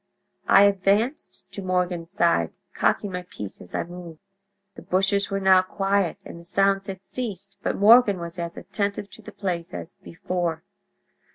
I advanced to Morgan's side, cocking my piece as I moved. "The bushes were now quiet, and the sounds had ceased, but Morgan was as attentive to the place as before.